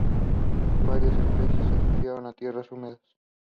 Chris Carey and Pat Girardi were the team captains.